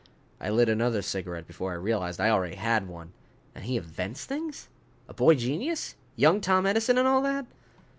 I lit another cigarette before I realized I already had one. "And he invents things? A boy genius? Young Tom Edison and all that?"